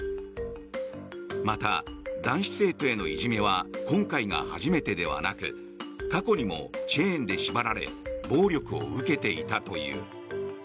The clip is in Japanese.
また、男子生徒へのいじめは今回が初めてではなく過去にもチェーンで縛られ暴力を受けていたという。